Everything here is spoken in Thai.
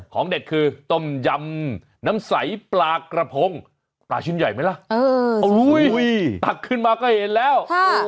เด็ดคือต้มยำน้ำใสปลากระพงปลาชิ้นใหญ่ไหมล่ะตักขึ้นมาก็เห็นแล้ว